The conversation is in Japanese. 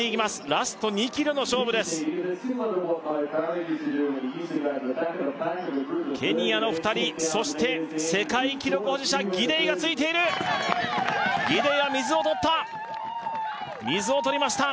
ラスト２ｋｍの勝負ですケニアの２人そして世界記録保持者ギデイがついているギデイは水を取った水を取りました